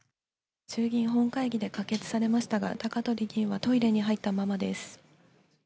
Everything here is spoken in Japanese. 衆議院本会議で可決されましたが、高鳥議員はトイレに入ったままです。